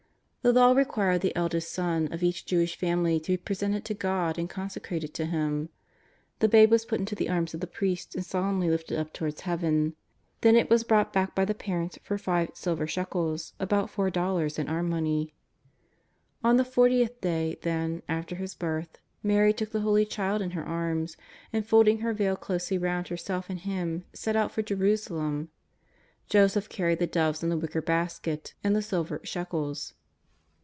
The Law required the oldest son of each Jewish family to be presented to God and consecrated to Him. The babe was put into the arms of the priest and solemnly lifted up towards Heaven. Then it was bought back by the parents for five silver shekels, about four dollars in our money. On the fortieth day, then, after His birth, Mary' took the Holy Child in her arms, and folding her veil closely round herself and Him, set out for Jerusalem. Joseph carried the doves in a wicker basket, and the silver shekels.